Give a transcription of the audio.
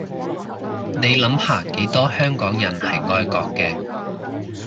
你諗下幾多香港人係愛國嘅